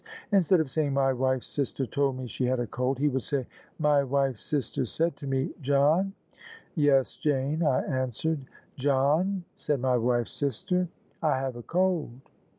Instead of saying, ' My wife's sister told me she had a cold,* he would say ' My wife's sister said to me, John; Yes, Jane, I answered; John, said my wife's sister, I have a cold.'